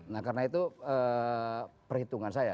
nah karena itu perhitungan saya